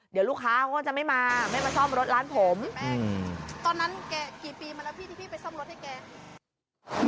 เดี๋ยวลูกค้าเขาก็จะไม่มาไม่มาซ่อมรถร้านผมตอนนั้นแกกี่ปีมาแล้วพี่ที่พี่ไปซ่อมรถให้แก